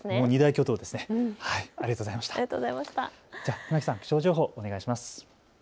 船木さん、気象情報お願いします。